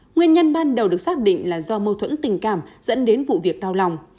nguyên nhân ban đầu được xác định là do mâu thuẫn tình cảm dẫn đến vụ việc đau lòng